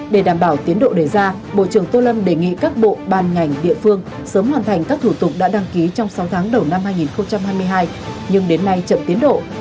để đảm bảo tiến độ đề ra bộ trưởng tô lâm đề nghị các bộ ban ngành địa phương sớm hoàn thành các thủ tục đã đăng ký trong sáu tháng đầu năm hai nghìn hai mươi hai nhưng đến nay chậm tiến độ